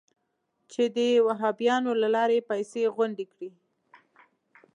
چې د وهابیانو له لارې پیسې غونډې کړي.